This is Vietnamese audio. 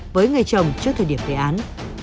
với người chồng trước thời điểm đề án